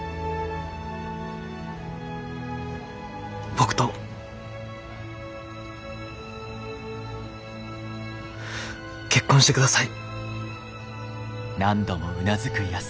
僕と結婚してください。